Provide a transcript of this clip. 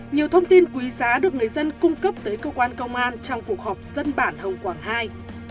nhiều thông tin quý giá được người dân cung cấp tới cơ quan công an trong cuộc họp dân bản hồng quảng i